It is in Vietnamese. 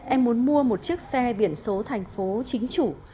em muốn mua một chiếc xe biển số thành phố chính chủ